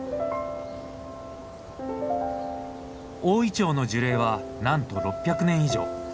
大イチョウの樹齢はなんと６００年以上。